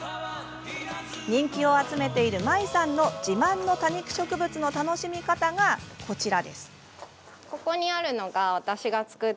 人気を集めているＭＡｉさんの自慢の多肉植物の楽しみ方がこちら。